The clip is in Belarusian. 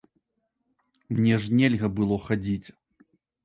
Мне ж нельга было хадзіць.